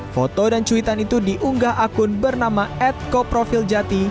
foto dan cuitan itu diunggah akun bernama adco profil jati